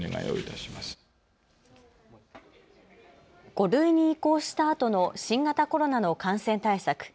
５類に移行したあとの新型コロナの感染対策。